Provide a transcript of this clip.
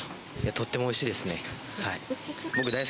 とってもおいしいですね。